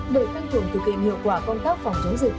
đội tăng thường thực hiện hiệu quả con tác phòng chống dịch